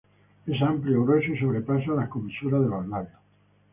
Es amplio, grueso y sobrepasa las comisuras de los labios.